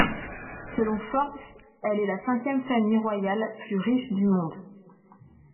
Selon Forbes, elle est la cinquième famille royale plus riche du monde.